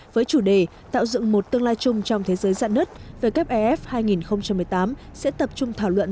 với chủ đề tạo dựng một tương lai chung trong thế giới dạ nứt wfef hai nghìn một mươi tám sẽ tập trung thảo luận